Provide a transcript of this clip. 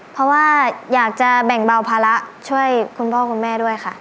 เพราะว่าอยากจะแบ่งเบาภาระช่วยคุณพ่อคุณแม่ด้วยค่ะ